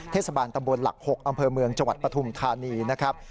เทศบาลตำบลหลัก๖อำเภอเมืองจังหวัดปฐุมธานีนะครับ